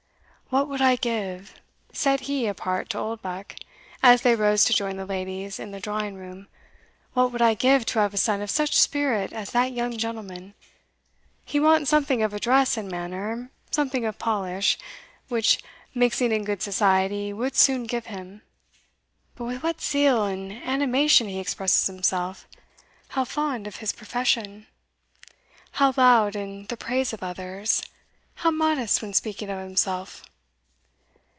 "What would I give," said he apart to Oldbuck, as they rose to join the ladies in the drawing room, "what would I give to have a son of such spirit as that young gentleman! He wants something of address and manner, something of polish, which mixing in good society would soon give him; but with what zeal and animation he expresses himself how fond of his profession how loud in the praise of others how modest when speaking of himself!"